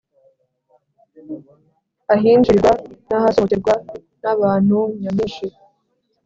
ahinjirirwa , nabasohokerwa n' abantu nyamwinshi